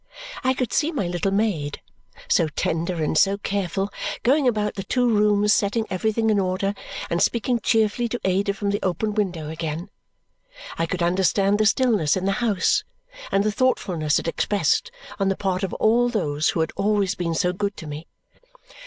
I could see my little maid, so tender and so careful, going about the two rooms setting everything in order and speaking cheerfully to Ada from the open window again. I could understand the stillness in the house and the thoughtfulness it expressed on the part of all those who had always been so good to me.